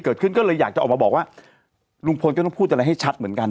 เกิดขึ้นก็เลยอยากจะออกมาบอกว่าลุงพลก็ต้องพูดอะไรให้ชัดเหมือนกัน